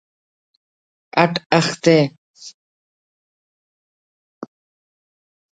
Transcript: اٹ اختہ ءِ